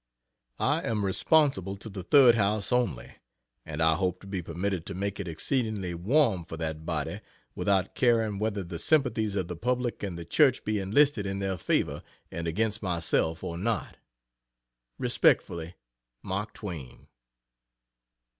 I am responsible to the Third House only, and I hope to be permitted to make it exceedingly warm for that body, without caring whether the sympathies of the public and the Church be enlisted in their favor, and against myself, or not. Respectfully, MARK TWAIN.